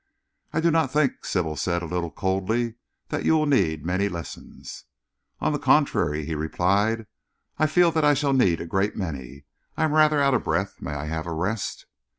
"I do not think," Sybil said, a little coldly, "that you will need many lessons." "On the contrary," he replied, "I feel that I shall need a great many. I am rather out of breath. May I have a rest?"